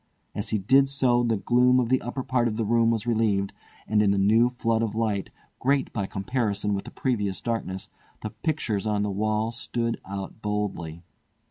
As he did so the gloom of the upper part of the room was relieved, and in the new flood of light, great by comparison with the previous darkness, the pictures on the wall stood out boldly.